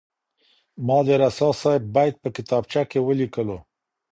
ما د رسا صاحب بیت په کتابچه کي ولیکلو.